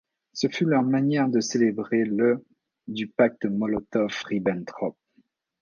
Ce fut leur manière de célébrer le du pacte Molotov-Ribbentrop.